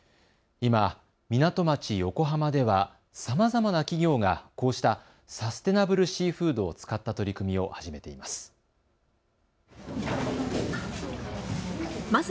今、港町横浜ではさまざまな企業がこうしたサステナブルシーフードを使った取り組みを始めています。